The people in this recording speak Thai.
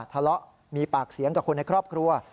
ทะเลาะมีปากเสียงกับคนในครอบครัว